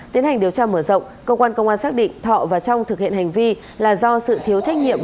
tiến hành điều tra mở rộng cơ quan công an xác định thọ và trong thực hiện hành vi là do sự thiếu trách nhiệm